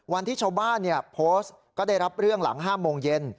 วันที่ชาวบ้านโพสต์ก็ได้รับเรื่องหลัง๕โมงเย็น